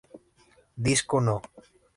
Disco No.